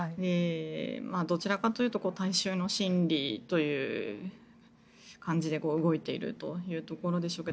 どちらかというと大衆の心理という感じで動いているというところでしょうか。